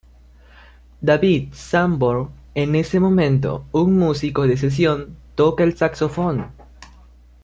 David Sanborn, en ese momento un músico de sesión, toca el saxofón.